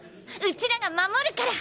ウチらが守るから！